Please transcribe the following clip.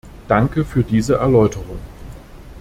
Danke für diese Erläuterung.